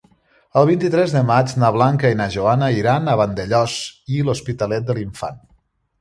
El vint-i-tres de maig na Blanca i na Joana iran a Vandellòs i l'Hospitalet de l'Infant.